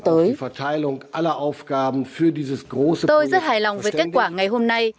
tôi rất hài lòng với kết quả ngày hôm nay